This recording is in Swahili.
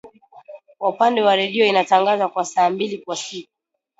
Kwa upande wa redio inatangaza kwa saa mbili kwa siku